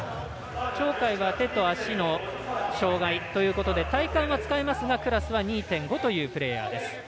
鳥海は手と足の障がいということで体幹は使えますがクラスは２．５というプレーヤーです。